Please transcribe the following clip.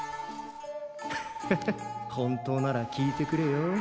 ハハッ本当なら効いてくれよ。